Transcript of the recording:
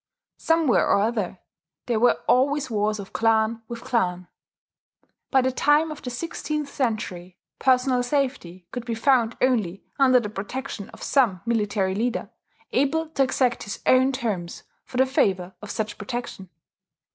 Somewhere or other, there were always wars of clan with clan. By the time of the sixteenth century personal safety could be found only under the protection of some military leader, able to exact his own terms for the favour of such protection.